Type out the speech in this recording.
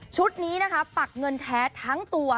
นี้นะคะปักเงินแท้ทั้งตัว